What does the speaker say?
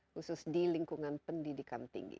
khusus di lingkungan pendidikan tinggi